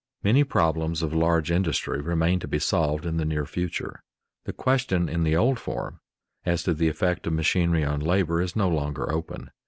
Many problems of large industry remain to be solved in the near future. The question in the old form, as to the effect of machinery on labor, is no longer open.